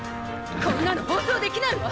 こんなの放送できないわ！